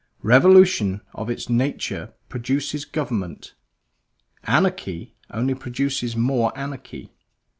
Revolution of its nature produces government; anarchy only produces more anarchy.